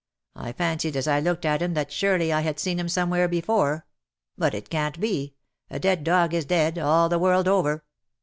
I fancied as I looked at him that sure ly I had seen him some where before. But it can't be — a dead dog is dead, all the world over."